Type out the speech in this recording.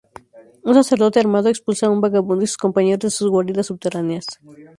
Un sacerdote armado expulsa a un vagabundo y sus compañeros de sus guaridas subterráneas.